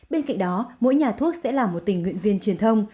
bên cạnh đó mỗi nhà thuốc sẽ là một tình nguyện viên truyền thông